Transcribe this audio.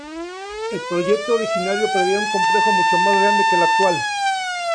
El proyecto originario preveía un complejo mucho más grande que el actual.